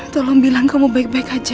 tolong bilang kamu baik baik aja